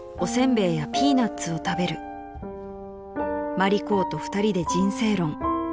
［「マリ公と２人で人生論」］